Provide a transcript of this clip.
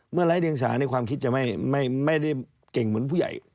ไร้เดียงสาในความคิดจะไม่ได้เก่งเหมือนผู้ใหญ่